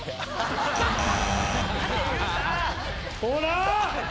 ほら。